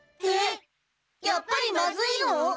えっやっぱりまずいの？